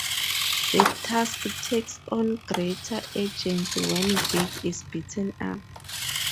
The task takes on greater urgency when Vic is beaten up.